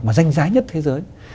mà danh giá nhất thế giới